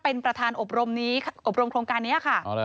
เป็นประธานอบรมนี้อบรมโครงการนี้ค่ะ